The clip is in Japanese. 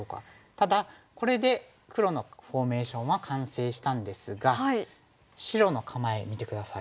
ただこれで黒のフォーメーションは完成したんですが白の構え見て下さい。